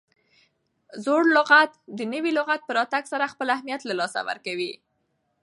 زوړ لغت د نوي لغت په راتګ سره خپل اهمیت له لاسه ورکوي.